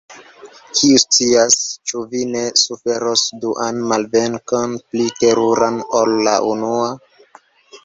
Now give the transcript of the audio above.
Kiu scias, ĉu vi ne suferos duan malvenkon, pli teruran ol la unua?